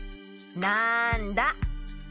なんだ？